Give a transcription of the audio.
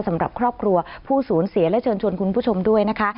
สำหรับครอบครัวผู้สูญเสียและเชิญชวนคุณผู้ชมด้วยนะคะ